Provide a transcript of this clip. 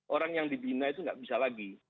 orang yang dibina itu nggak bisa lagi